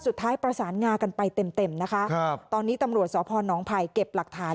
สุดท้ายประสานงากันไปเต็มเต็มนะคะครับตอนนี้ตำรวจสพนภัยเก็บหลักฐาน